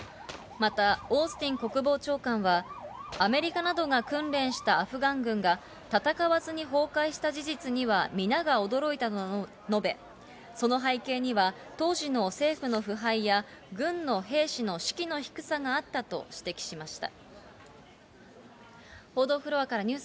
また、オースティン国防長官は、アメリカなどが訓練したアフガン軍が戦わずに崩壊した事実にはみなが驚いたと述べ、その背景には当時の政府の腐敗や軍の兵士の士気の低さがあったと指摘しました。